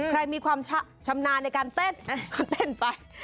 มีความชำนาญในการเต้นก็เต้นไป